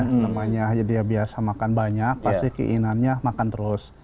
namanya dia biasa makan banyak pasti keinginannya makan terus